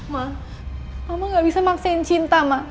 mak mama gak bisa paksain cinta mak